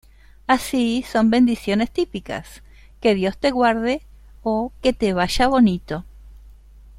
Así, son bendiciones típicas "Que Dios te guarde" o "Que te vaya bonito".